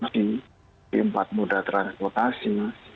di empat muda transportasi